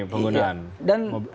mengurangi penggunaan mobil itu